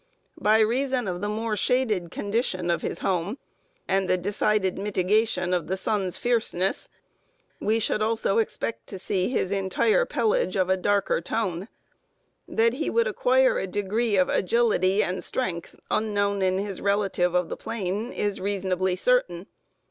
By reason of the more shaded condition of his home, and the decided mitigation of the sun's fierceness, we should also expect to see his entire pelage of a darker tone. That he would acquire a degree of agility and strength unknown in his relative of the plain is reasonably certain.